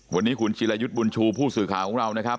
วันนี้คุณจิรายุทธ์บุญชูผู้สื่อข่าวของเรานะครับ